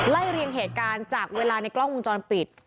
เรียงเหตุการณ์จากเวลาในกล้องวงจรปิด